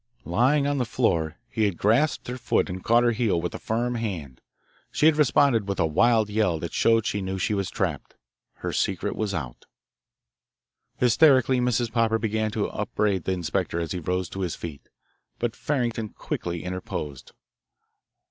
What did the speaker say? Lying on the floor he had grasped her foot and caught her heel with a firm hand. She had responded with a wild yell that showed she knew she was trapped. Her secret was out. Hysterically Mrs. Popper began to upbraid the inspector as he rose to his feet, but Farrington quickly interposed.